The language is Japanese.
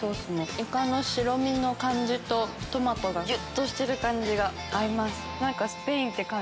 イカの白身の感じとトマトがぎゅっとしてる感じが合います。